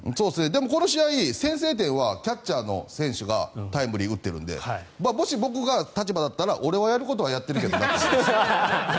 でも、この試合先制点はキャッチャーの選手がタイムリーを打っているのでもし僕の立場だったら俺はやることはやってるけどなって。